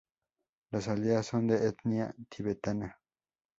Las aldeas son de etnia tibetana.